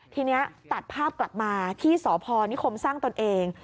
ทีนี้ตัดภาพกลับมาที่สพนิคมสร้างตนเอง